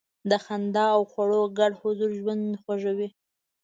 د خندا او خواړو ګډ حضور ژوند خوږوي.